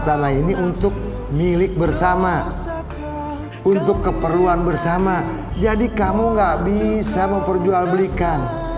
tanah ini untuk milik bersama untuk keperluan bersama jadi kamu nggak bisa memperjualbelikan